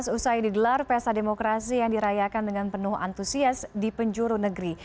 usai digelar pesta demokrasi yang dirayakan dengan penuh antusias di penjuru negeri